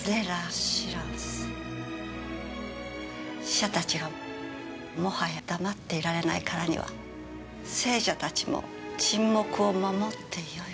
死者たちがもはや黙っていられないからには生者たちも沈黙を守ってよいものか？